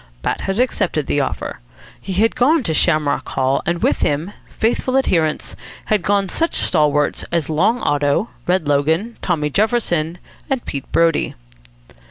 Bat had accepted the offer. He had gone to Shamrock Hall; and with him, faithful adherents, had gone such stalwarts as Long Otto, Red Logan, Tommy Jefferson, and Pete Brodie.